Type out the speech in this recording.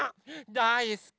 だいすき！